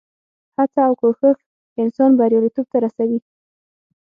هڅه او کوښښ انسان بریالیتوب ته رسوي.